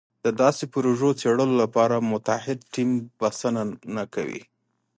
د داسې پروژو څېړلو لپاره متعهد ټیم بسنه کوي.